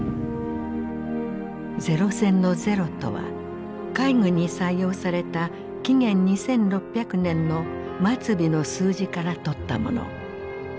零戦の零とは海軍に採用された紀元２６００年の末尾の数字からとったもの。